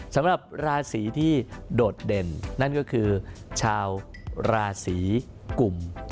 สำหรับราศีที่โดดเด่นนั่นก็คือชาวราศีกลุ่ม